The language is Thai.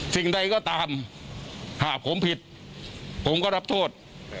สิ่งใดก็ตามหากผมผิดผมก็รับโทษ